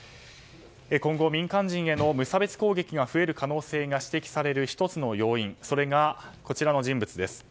今後、民間人への無差別攻撃が増える可能性が指摘される１つの要因がこちらの人物です。